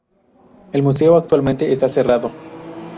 El museo actualmente está cerrado.